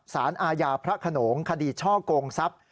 สารอาญาพระขนงคดีช่อกงทรัพย์